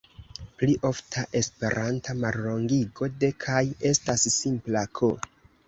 Pli ofta esperanta mallongigo de "kaj" estas simpla "k".